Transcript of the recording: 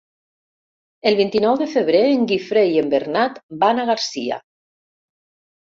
El vint-i-nou de febrer en Guifré i en Bernat van a Garcia.